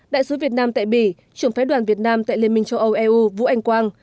đại sứ việt nam tại bỉ trưởng phái đoàn việt nam tại liên minh châu âu eu vũ anh quang